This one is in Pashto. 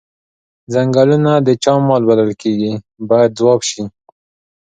څنګلونه د چا مال بلل کیږي باید ځواب شي.